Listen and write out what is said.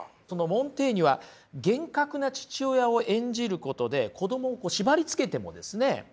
モンテーニュは厳格な父親を演じることで子供を縛りつけてもですね